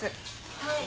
はい。